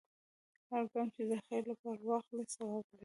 هر ګام چې د خیر لپاره واخلې، ثواب لري.